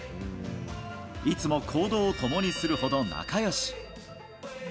いつも行動を共にするほど仲よし。